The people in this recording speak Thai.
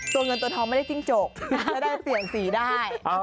ตัวเงินตัวทองไม่ได้จิ้งจกจะได้เปลี่ยนสีได้